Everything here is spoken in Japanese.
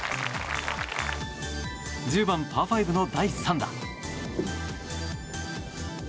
１０番、パー５の第３打。